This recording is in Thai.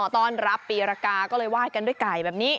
ต้อนรับปีรกาก็เลยวาดกันด้วยไก่แบบนี้